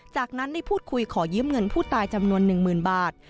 จากนั้นได้พูดคุยขอยืมเงินผู้ตายจำนวน๑๐๐๐บาท